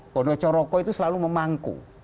bono coroko itu selalu memangku